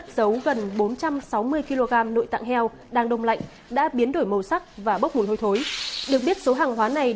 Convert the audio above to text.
xin chào và hẹn gặp lại